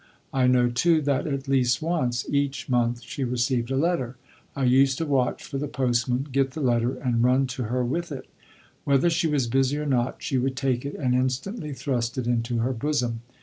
I know, too, that at least once each month she received a letter; I used to watch for the postman, get the letter, and run to her with it; whether she was busy or not, she would take it and instantly thrust it into her bosom.